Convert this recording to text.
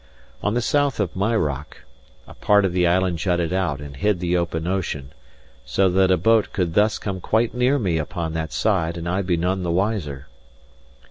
On the south of my rock, a part of the island jutted out and hid the open ocean, so that a boat could thus come quite near me upon that side, and I be none the wiser.